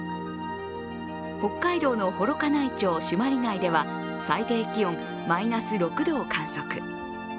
北海道の幌加内町朱鞠内では最低気温マイナス６度を観測。